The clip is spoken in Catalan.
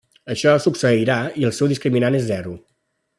Això succeirà si el seu discriminant és zero.